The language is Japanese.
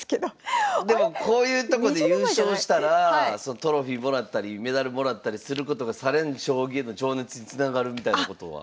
でもこういうとこで優勝したらトロフィーもらったりメダルもらったりすることが更に将棋への情熱につながるみたいなことは。